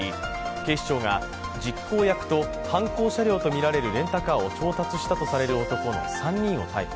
警視庁が実行役と犯行車両とみられるレンタカーを調達したとみられる男の３人を逮捕